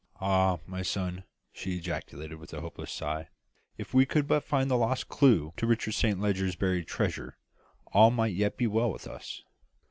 "Ah, my son," she ejaculated, with a hopeless sigh, "if we could but find the lost clue to Richard Saint Leger's buried treasure, all might yet be well with us!"